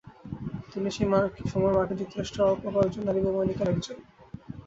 তিনি সেই সময়ের মার্কিন যুক্তরাষ্ট্রের অল্প কয়েকজন নারী বৈমানিকের একজন।